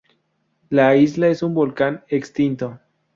La isla es un volcán extinto.